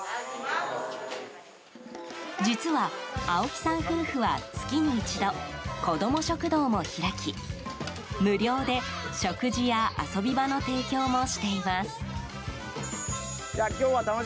実は、青木さん夫婦は月に一度、子ども食堂も開き無料で、食事や遊び場の提供もしています。